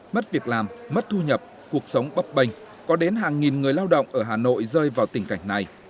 mất việc làm mất thu nhập cuộc sống bấp bềnh có đến hàng nghìn người lao động ở hà nội rơi vào tình cảnh này